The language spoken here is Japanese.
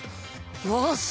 よし！